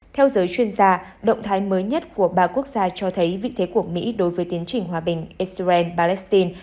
theo giới chuyên gia động thái mới nhất của ba quốc gia cho thấy vị thế của mỹ đối với tiến trình hòa bình israel palestine